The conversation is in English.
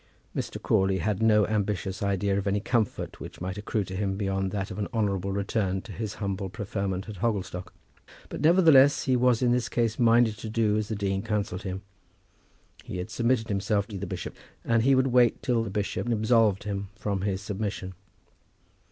Mr. Crawley had no ambitious idea of any comfort which might accrue to him beyond that of an honourable return to his humble preferment at Hogglestock; but, nevertheless, he was in this case minded to do as the dean counselled him. He had submitted himself to the bishop, and he would wait till the bishop absolved him from his submission.